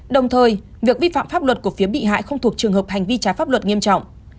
đồng thời việc vi phạm pháp luật của phía bị hại không thuộc trường hợp hành vi trái pháp luật nghiêm trọng